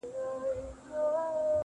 تا په لڅه سينه ټوله زړونه وړي.